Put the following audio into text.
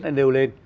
đã nêu lên